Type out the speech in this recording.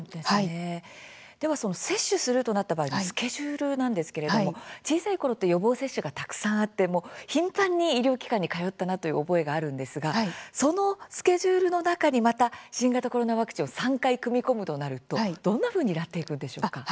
では接種するとなった場合スケジュールなんですけれども小さいころって予防接種がたくさんあって頻繁に医療機関に通ったなという覚えがあるんですがそのスケジュールの中に、また新型コロナワクチンを３回組み込むとなると、どんなふうになっていくんでしょうか。